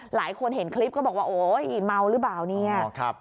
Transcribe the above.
หลายคนเห็นคลิปก็บอกว่าโอ๊ยเมาหรือเปล่าเนี่ย